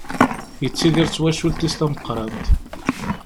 Yettidir d twacult-is tameqqrant.